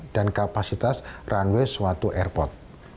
dan kapasitas runway suatu airport